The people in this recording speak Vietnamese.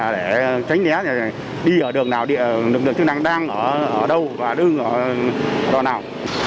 để tránh nhé đi ở đường nào đường chức năng đang ở đâu và đường ở đo nào